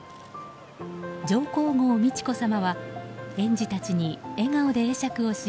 上皇后・美智子さまは園児たちに笑顔で会釈をし